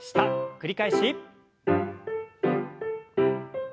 繰り返し。